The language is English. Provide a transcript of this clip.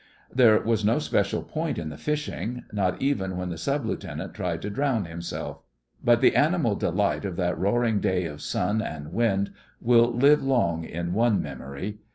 There was no special point in the fishing; not even when the Sub Lieutenant tried to drown himself; but the animal delight of that roaring day of sun and wind will live long in one memory.